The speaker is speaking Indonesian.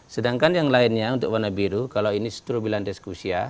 sedangkan yang lainnya untuk warna biru kalau ini strobilandescusia